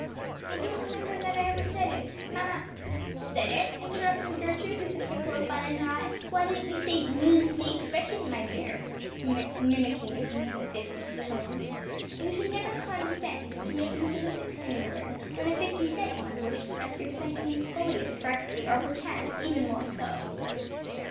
"I don't remember that I ever said it. Mamma " "Said it?" interrupted Gertrude, with a twinkle of fun in her eye, "why don't you say 'used the expression'? my dear," mimicking Miss Fisk's tones, "you should never condescend to make use of a sixpenny word, when a fifty cent one would express your sentiments fully as correctly, or perchance even more so."